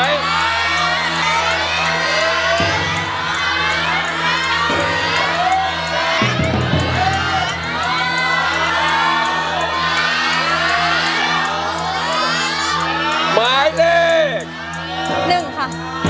หมายเลข๑ค่ะ